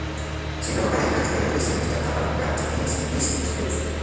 Siendo la pareja de creadores en esta etapa Garth Ennis y Chris Sprouse.